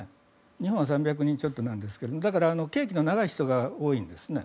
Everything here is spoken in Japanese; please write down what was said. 日本は３００人ちょっとなんですけどだから、刑期の長い人が多いんですね。